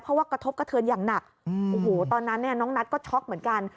เพราะว่ากระทบกระเทือนอย่างหนักโอ้โหตอนนั้นเนี่ยน้องนัทก็ช็อกเหมือนกัน